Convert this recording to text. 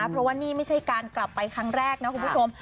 เพราะว่านี่ไม่ใช่การกลับไปครั้งแรกนะคุณผู้ชม